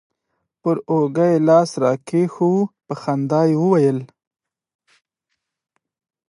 پر اوږه يې لاس راكښېښوو په خندا يې وويل.